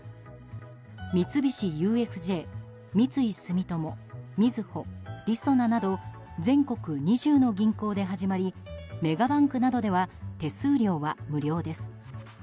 三菱ＵＦＪ、三井住友みずほ、りそななど全国２０の銀行で始まりメガバンクなどでは手数料は無料です。